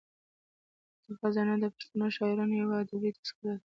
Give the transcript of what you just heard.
پټه خزانه د پښتنو شاعرانو یوه ادبي تذکره ده.